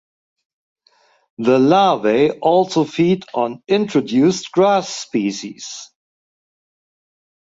The larvae also feed on introduced grass species.